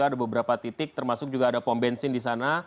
ada beberapa titik termasuk juga ada pom bensin disana